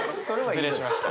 失礼しました。